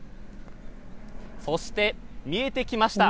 そして見えてきました。